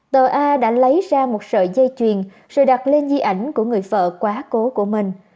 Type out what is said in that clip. tờ a đã lấy ra một sợi dây chuyền rồi đặt lên di ảnh của người vợ quá cố của mình